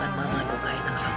aku tetap cantik